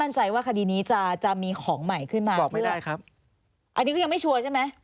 อันนี้ก็ยังไม่ชัวร์ใช่ไหม